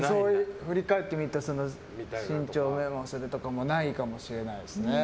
振り返ってみて身長をとかもないかもしれないですね。